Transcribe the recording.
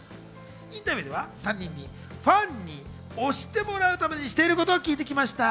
インタビューでは３人にファンに推してもらうためにしていることを聞いてきました。